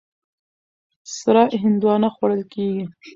سره هندوانه خوړل کېږي.